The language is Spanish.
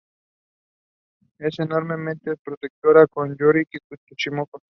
Es enormemente protectora con Yukari Tsukino.